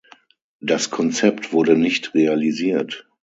Das Konzept wurde nicht realisiert.